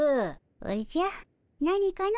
おじゃ何かの？